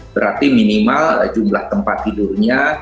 berarti minimal jumlah tempat tidurnya